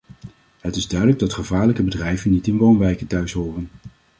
Het is duidelijk dat gevaarlijke bedrijven niet in woonwijken thuishoren.